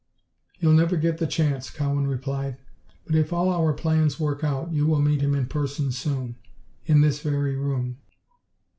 "You'll never get the chance!" Cowan replied. "But if all our plans work out, you will meet him in person soon in this very room!"